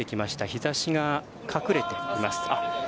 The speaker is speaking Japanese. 日ざしが隠れています。